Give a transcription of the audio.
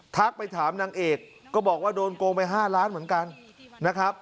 ทักไปถามนางเอกก็บอกว่าโดนโกงไป๕ล้านเหมือนกัน